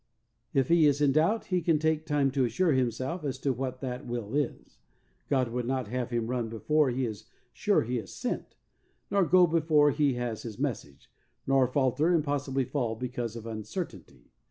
If he is in doubt he can take time to assure himself as to what that will is. God would not have him run before he is sure he is sent, nor go before he has his message, nor falter and possibly fall because of uncertainty.